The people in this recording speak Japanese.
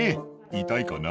「痛いかな？」